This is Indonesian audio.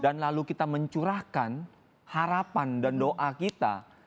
dan lalu kita mencurahkan harapan dan doa kita